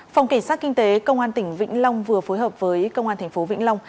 phòng cảnh sát kinh tế công an tỉnh vĩnh long vừa phối hợp với công an tp vĩnh long